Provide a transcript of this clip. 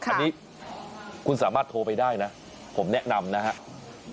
อันนี้คุณสามารถโทรไปได้นะผมแนะนำนะครับ